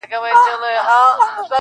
د حرم مېرمني نه وې گلدستې وې-